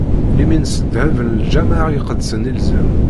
Limin s ddheb n lǧameɛ iqedsen ilzem.